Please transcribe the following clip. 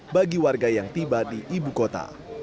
bagi warga yang tiba di ibu kota